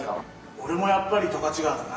俺もやっぱり十勝川だな。